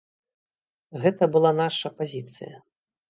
Гэта была наша пазіцыя.